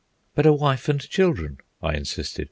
"But a wife and children," I insisted.